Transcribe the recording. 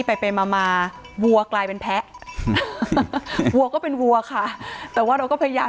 ไปไปมามาวัวกลายเป็นแพ้วัวก็เป็นวัวค่ะแต่ว่าเราก็พยายาม